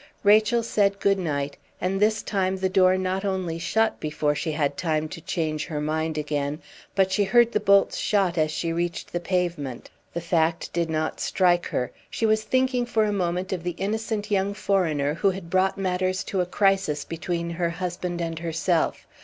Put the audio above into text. Rachel said good night, and this time the door not only shut before she had time to change her mind again, but she heard the bolts shot as she reached the pavement. The fact did not strike her. She was thinking for a moment of the innocent young foreigner who had brought matters to a crisis between her husband and herself.